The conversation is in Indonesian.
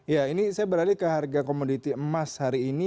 ya ini saya beralih ke harga komoditi emas hari ini